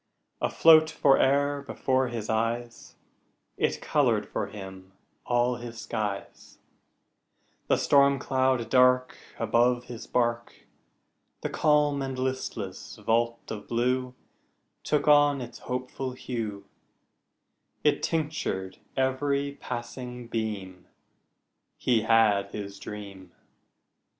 Afloat fore'er before his eyes, It colored for him all his skies: The storm cloud dark Above his bark, The calm and listless vault of blue Took on its hopeful hue, It tinctured every passing beam He had his dream.